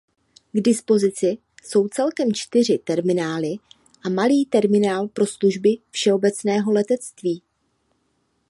K dispozici jsou celkem čtyři terminály a malý terminál pro služby všeobecného letectví.